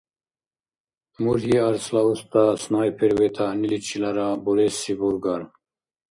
Мургьи-арцла уста снайпер ветаъниличилара буреси бургар.